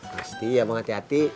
pasti ya mau hati hati